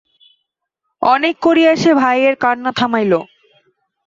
অনেক করিয়া সে ভাইয়ের কান্না থামাইল।